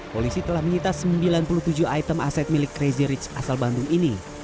polisi telah menyita sembilan puluh tujuh item aset milik crazy rich asal bandung ini